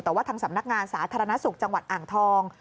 แต่ว่าทางสำนักงานสาธารณสุขจังหวัดอ่างทอง